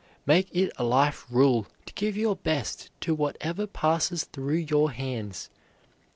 Make it a life rule to give your best to whatever passes through your hands.